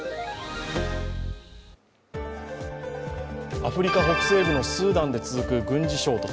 アフリカ北西部のスーダンで続く軍事衝突。